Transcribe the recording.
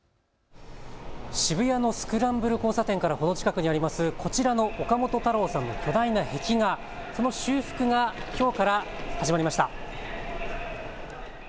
渋谷のスクランブル交差点から程近くにあります、こちらの岡本太郎さんの巨大な壁画、この修復がきょうから始まりました。